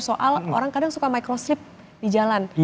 soal orang kadang suka microship di jalan